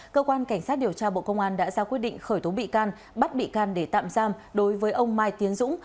cơ quan cảnh sát điều tra bộ công an đã ra quyết định khởi tố bị can bắt bị can để tạm giam đối với ông mai tiến dũng